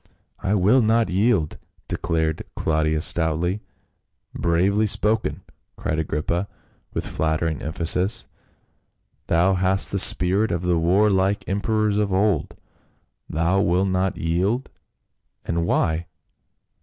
" I will not yield !" declared Claudius stoutly. "Bravely spoken!" cried Agrippa, with flattering emphasis, " thou hast the spirit of the war like em perors of old. Thou wilt not yield, and why